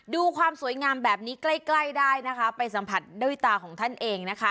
ดูความสวยงามแบบนี้ใกล้ใกล้ได้นะคะไปสัมผัสด้วยตาของท่านเองนะคะ